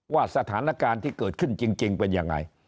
สถานการณ์ที่เกิดขึ้นจริงเป็นยังไง